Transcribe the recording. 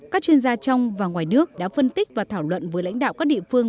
các chuyên gia trong và ngoài nước đã phân tích và thảo luận với lãnh đạo các địa phương